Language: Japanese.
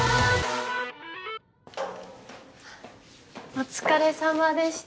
お疲れさまでした。